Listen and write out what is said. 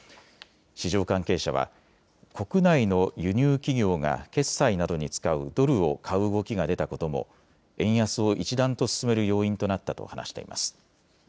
市場関係者は国内の輸入企業が決済などに使うドルを買う動きが出たことも円安を一段と進める要因となったと話しています。